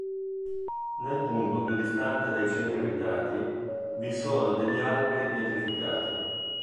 Nel punto più distante dai centri abitati vi sono degli alberi pietrificati.